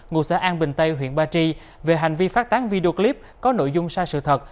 ngụ xã an bình tây huyện ba tri về hành vi phát tán video clip có nội dung sai sự thật